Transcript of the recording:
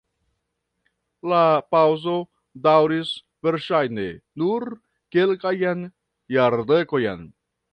La paŭzo daŭris verŝajne nur kelkajn jardekojn.